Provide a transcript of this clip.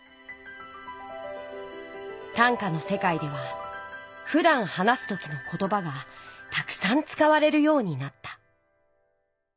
短歌の世界ではふだん話す時のことばがたくさんつかわれるようになった。